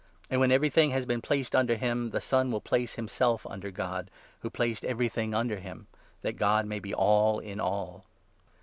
And, when everything has been placed under him, the Son will place himself under God who placed everything under him, that God may be all in all